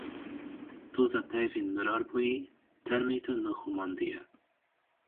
Toza peyvên mirarbûyî termê te nixumandiye.